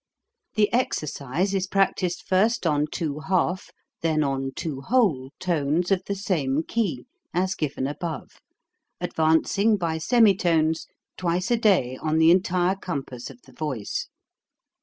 The exercise is practised first on two half, then on two whole, tones of the same key (as given above), advancing by semitones, twice a day on the entire compass of the voice.